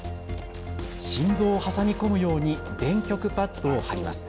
心臓を挟み込むように電極パットを貼ります。